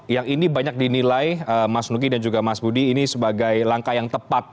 yang ini banyak dinilai mas nugi dan juga mas budi ini sebagai langkah yang tepat